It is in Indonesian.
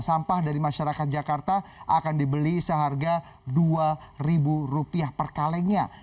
sampah dari masyarakat jakarta akan dibeli seharga dua ribu rupiah per kalengnya